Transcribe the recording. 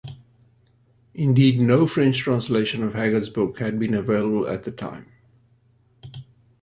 Indeed no French translation of Haggard's book had been available at the time.